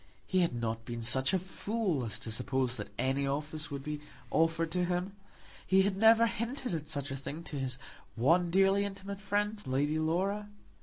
He had not been such a fool as to suppose that any office would be offered to him. He had never hinted at such a thing to his one dearly intimate friend, Lady Laura.